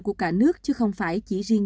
của cả nước chứ không phải chỉ riêng